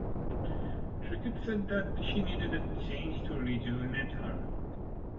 Trickett said that she needed a change to rejuvenate her.